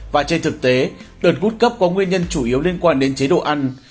và trên thực tế đợt gút cấp có nguyên nhân chủ yếu liên quan đến chế độ ăn